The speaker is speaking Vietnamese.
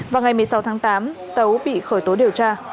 vào ngày một mươi sáu tháng tám tấu bị khởi tố điều tra